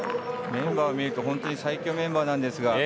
メンバーを見ると最強メンバーなんですが。